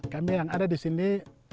kami yang ada di sini